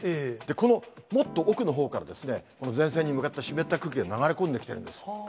このもっと奥のほうから前線に向かって湿った空気が流れ込んできているんです。